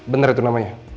benar itu namanya